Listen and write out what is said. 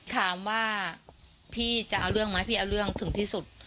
ถามว่าพี่จะเอาเรื่องไหมพี่เอาเรื่องถึงที่สุด